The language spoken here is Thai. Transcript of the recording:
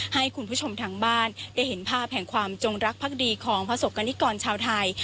ให้คุณผู้ชมทางบ้านได้เห็นภาพแห่งความจงรักภักดีของประสบกรณิกรชาวไทย